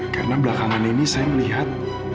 karena belakangan ini saya melihat